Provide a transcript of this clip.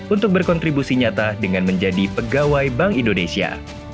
untuk berkontribusi nyata dengan menjadi pegawai bank indonesia